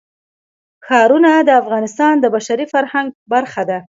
ښارونه د افغانستان د بشري فرهنګ برخه ده.